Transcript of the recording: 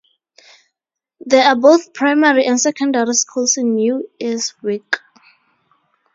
There are both primary and secondary schools in New Earswick.